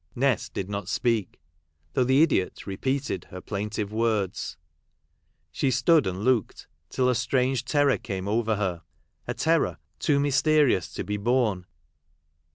Nest did not speak, though the idiot repeated her plaintive words. She stood and looked till a strange terror came over her — a terror too mysterious to be borne.